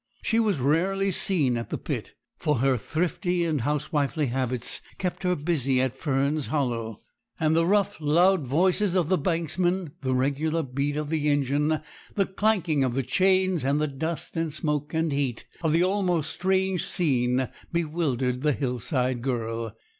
She was rarely seen at the pit, for her thrifty and housewifely habits kept her busy at Fern's Hollow; and the rough, loud voices of the banksmen, the regular beat of the engine, the clanking of chains, and the dust and smoke and heat of the almost strange scene bewildered the hillside girl.